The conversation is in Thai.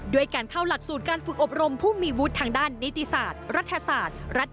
ด้วยการเข้าหลักสูตรการฝึกอบรมผู้มีวุฒิทางด้านนิติศาสตร์รัฐศาสตร์